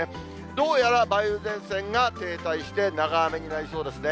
どうやら梅雨前線が停滞して、長雨になりそうですね。